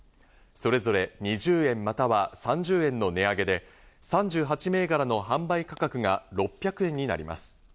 それぞれ２０円または３０円の値上げで３８銘柄の販売価格が６００円になります。